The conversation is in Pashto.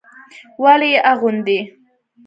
ولې يې اغوندي.